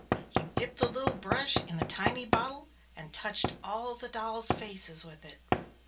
He dipped the little brush in the tiny bottle and touched all the dolls' faces with it.